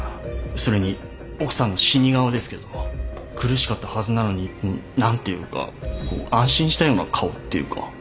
それに奥さんの死に顔ですけど苦しかったはずなのに何ていうかこう安心したような顔っていうか。